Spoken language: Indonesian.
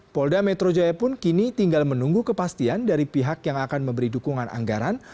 polda metro jaya pun kini tinggal menunggu kepastian dari pihak yang akan memberi dukungan anggaran